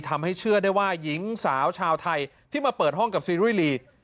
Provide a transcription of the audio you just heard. ทำให้เชื่อได้ว่าหญิงสาวชาวไทยที่มาเปิดห้องกับซีรีส